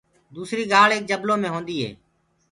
دُسري گھآݪ ایک جبلو مي هوندي هي۔